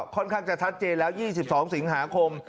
ค่อนข้างจะชัดเจนแล้ว๒๒สิงหาคม